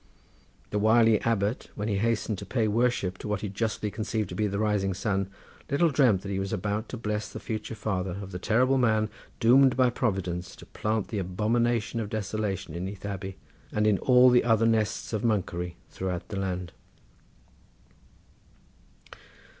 The wily abbot, when he hastened to pay worship to what he justly conceived to be the rising sun, little dreamt that he was about to bless the future father of the terrible man doomed by Providence to plant the abomination of desolation in Neath Abbey and in all the other nests of monkery throughout the land.